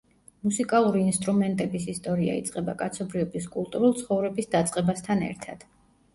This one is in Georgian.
მუსიკალური ინსტრუმენტების ისტორია იწყება კაცობრიობის კულტურულ ცხოვრების დაწყებასთან ერთად.